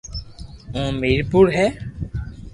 ھير مير پور ھي